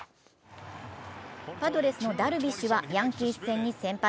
パドレスのダルビッシュはヤンキース戦に先発。